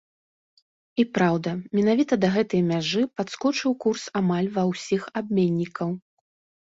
І праўда, менавіта да гэтай мяжы падскочыў курс амаль ва ўсіх абменнікаў.